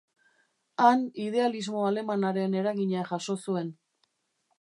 Han idealismo alemanaren eragina jaso zuen.